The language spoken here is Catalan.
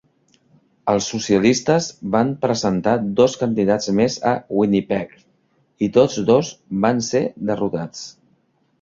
Els socialistes van presentar dos candidats més a Winnipeg i tots dos van ser derrotats.